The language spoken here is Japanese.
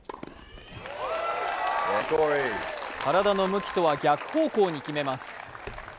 体の向きとは逆方向に決めます。